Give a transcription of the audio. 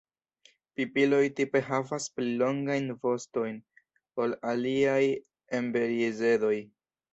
Pipiloj tipe havas pli longajn vostojn ol aliaj emberizedoj.